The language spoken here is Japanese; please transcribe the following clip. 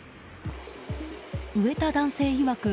植えた男性いわく